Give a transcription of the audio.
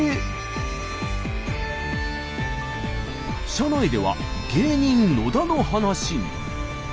車内では芸人野田の話に。